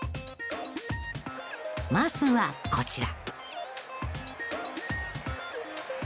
まずはこちら。